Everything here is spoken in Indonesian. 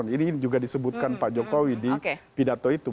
ini juga disebutkan pak jokowi di pidato itu